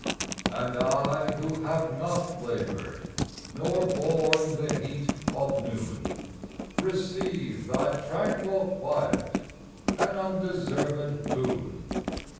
And I, who have not laboured, Nor borne the heat of noon, Receive thy tranquil quiet An undeserved boon.